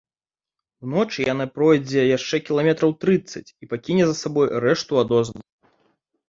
Уночы яна пройдзе яшчэ кіламетраў трыццаць і пакіне за сабой рэшту адозваў.